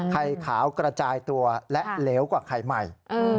ไข่ขาวกระจายตัวและเหลวกว่าไข่ใหม่